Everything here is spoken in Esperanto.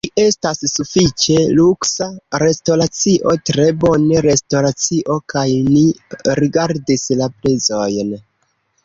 ĝi estas sufiĉe luksa restoracio tre bone restoracio kaj ni rigardis la prezojn